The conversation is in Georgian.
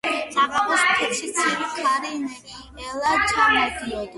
საღამოს მთებში ცივი ქარი ნელა ჩამოდიოდა.